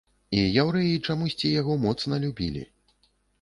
І яўрэі чамусьці яго моцна любілі.